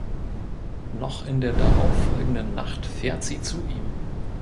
Noch in der darauffolgenden Nacht fährt sie zu ihm.